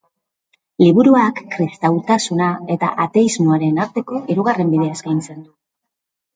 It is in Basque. Liburuak kristautasuna eta ateismoaren arteko hirugarren bidea eskaintzen du.